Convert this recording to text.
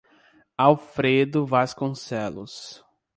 Alfredo Vasconcelos